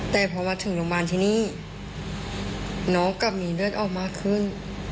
แต่พอมาถึงโรงพยาบาลที่นี่น้องกลับมีเลือดออกมากขึ้น